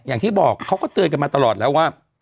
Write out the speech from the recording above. อย่างที่บอกเขาก็เตือนกันมาตลอดแล้วว่า